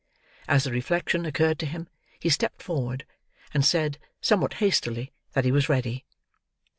As the reflection occured to him, he stepped forward: and said, somewhat hastily, that he was ready.